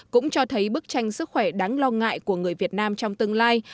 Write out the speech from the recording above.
cũng cho thấy bức tranh sức khỏe đáng lo ngại của người việt nam trong tương lai